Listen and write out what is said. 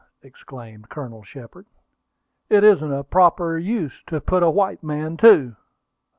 exclaimed Colonel Shepard. "It isn't a proper use to put a white man to."